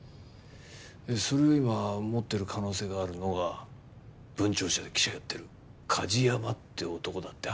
それを今持っている可能性があるのが文潮社で記者やってる梶山って男だって話だ。